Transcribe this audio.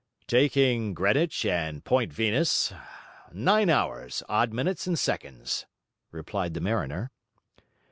'Taking Greenwich and Point Venus, nine hours, odd minutes and seconds,' replied the mariner.